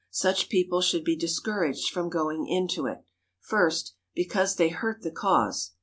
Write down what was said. Such people should be discouraged from going into it—first, because they hurt the cause.